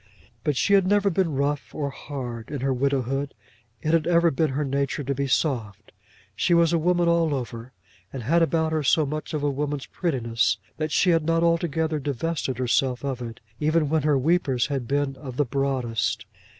But she had never been rough or hard in her widowhood. It had ever been her nature to be soft. She was a woman all over, and had about her so much of a woman's prettiness, that she had not altogether divested herself of it, even when her weepers had been of the broadest.